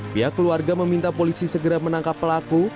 pihak keluarga meminta polisi segera menangkap pelaku